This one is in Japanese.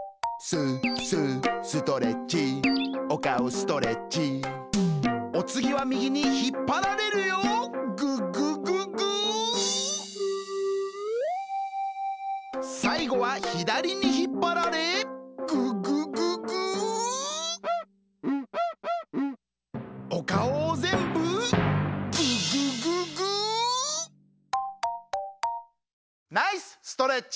ストレッチおつぎはみぎにひっぱられるよググググさいごはひだりにひっぱられググググおかおをぜんぶググググナイスストレッチ！